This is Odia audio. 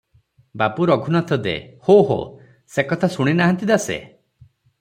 ବାବୁ ରଘୁନାଥ ଦେ- ହୋ-ହୋ! ସେ କଥା ଶୁଣି ନାହାନ୍ତି ଦାସେ?